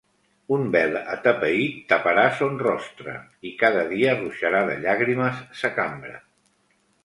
Un vel atapeït taparà son rostre, i cada dia ruixarà de llàgrimes sa cambra.